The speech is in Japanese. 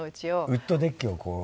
ウッドデッキをこう。